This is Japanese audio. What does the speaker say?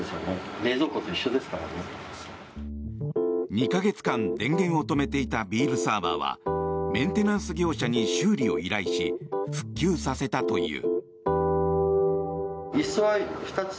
２か月間電源を止めていたビールサーバーはメンテナンス業者に修理を依頼し復旧させたという。